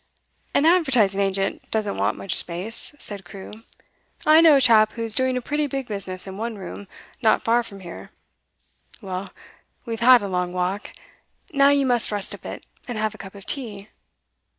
'An advertising agent doesn't want much space,' said Crewe. 'I know a chap who's doing a pretty big business in one room, not far from here. Well, we've had a long walk; now you must rest a bit, and have a cup of tea.